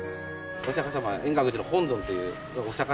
お釈様円覚寺の本尊というお釈様